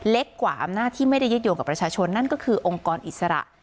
เล็กกว่าอำนาจที่ไม่ได้ยึดโยงกับประชาชนนั่นก็คือองค์กรอิสระ